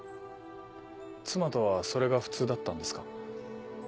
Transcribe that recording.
妻とはそれが普通だったんですか？